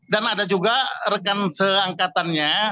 dan ada juga rekan seangkatannya